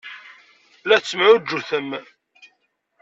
La tettemɛujjutem.